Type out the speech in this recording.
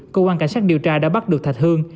cơ quan cảnh sát điều tra đã bắt được thạch hương